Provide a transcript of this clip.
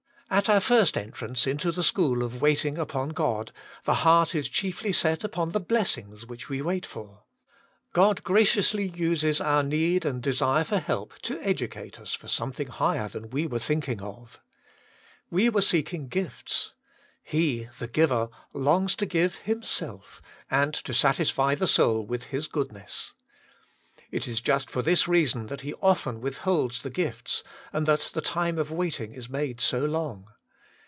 At our first entrance into the school of waiting upon God, the heart is chiefly set upon the blessings which we wait for. God graciously uses our need and desire for help to educate u& for something higher than we were thinking of. We were seeking gifts; He, the Giver, longs to give Himself and to satisfy the soul with His goodness. It is just for this reason that He often withholds the gifts, and that the time of waiting is made so long.